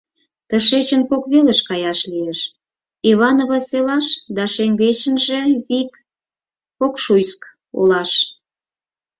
Тышечын кок велыш каяш лиеш: Иваново селаш да шеҥгечынже вик — Кокшуйск олаш.